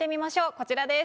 こちらです。